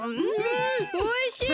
んおいしい！